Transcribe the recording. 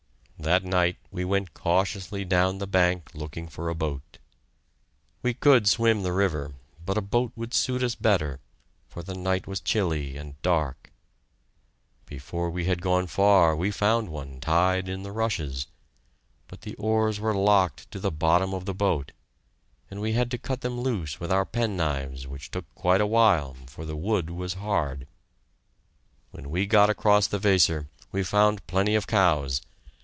That night we went cautiously down the bank looking for a boat. We could swim the river, but a boat would suit us better, for the night was chilly and dark. Before we had gone far, we found one tied in the rushes. But the oars were locked to the bottom of the boat, and we had to cut them loose with our pen knives, which took quite awhile, for the wood was hard! When we got across the Weser we found plenty of cows.